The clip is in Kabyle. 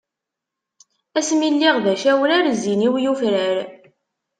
Asmi i lliɣ d acawrar, zzin-iw yufrar.